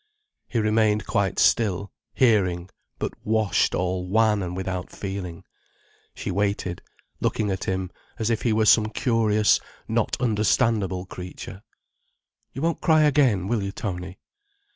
He remained quite still, hearing, but washed all wan and without feeling. She waited, looking at him, as if he were some curious, not understandable creature. "You won't cry again, will you, Tony?"